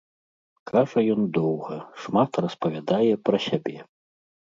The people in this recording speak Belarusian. Кажа ён доўга, шмат распавядае пра сябе.